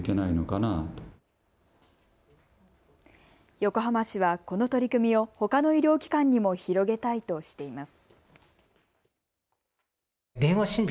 横浜市はこの取り組みをほかの医療機関にも広げたいとしています。